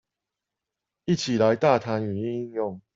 一起來大啖語音應用